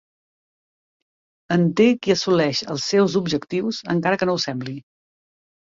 En té qui assoleix els seus objectius, encara que no ho sembli.